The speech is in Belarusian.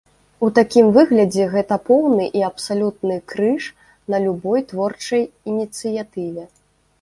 У такім выглядзе гэта поўны і абсалютны крыж на любой творчай ініцыятыве.